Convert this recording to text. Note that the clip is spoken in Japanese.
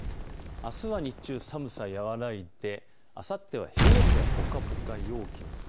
あすは日中、寒さが和らいであさっては平野部ではぽかぽかなんです。